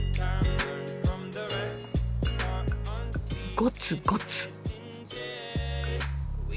ゴツゴツ。